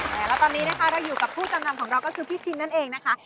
แล้วตอนนี้นะคะเราอยู่กับผู้จำนำของเราก็คือพี่ชินนั่นเองนะคะ